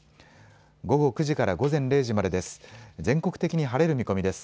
午後９時から午前０時までです。